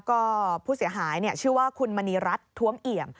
ก็ผู้เสียหายชื่อว่าคุณมณีรัฐท้วมเอี่ยม